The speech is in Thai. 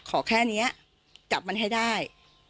ขอแค่นี้จับมันให้ได้